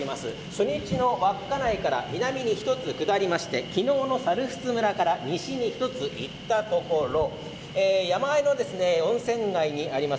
初日の稚内から南に１つ下って昨日の猿払村から西に１つ行ったところ山あいの温泉街にあります